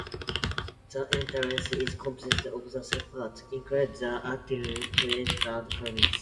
The entablature is composed of several parts, including the architrave, frieze, and cornice.